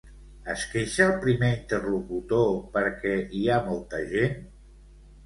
Es queixa el primer interlocutor perquè hi ha molta gent?